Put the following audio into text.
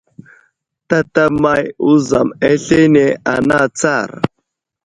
Tatamay wuzam aslane tsa ana atsar !